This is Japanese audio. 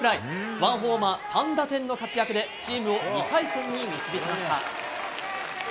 １ホーマー３打点の活躍でチームを２回戦に導きました。